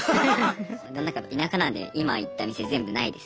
田舎なんで今言った店全部ないです。